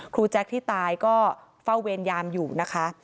แจ๊คที่ตายก็เฝ้าเวรยามอยู่นะคะ